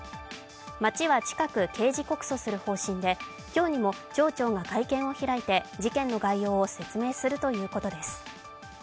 町は近く刑事告訴する方針で今日にも町長が会見を開いて、事件の概要を説明するということです。